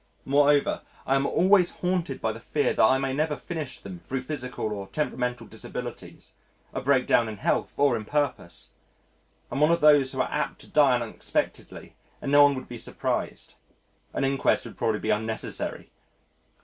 Moreover I am always haunted by the fear that I may never finish them thro' physical or temperamental disabilities a breakdown in health or in purpose. I am one of those who are apt to die unexpectedly and no one would be surprised. An inquest would probably be unnecessary.